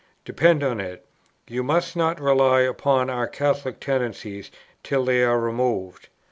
Depend upon it, you must not rely upon our Catholic tendencies till they are removed.